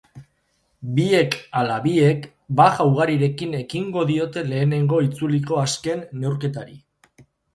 Biek ala biek baja ugarirekin ekingo diote lehenengo itzuliko azken neurketari.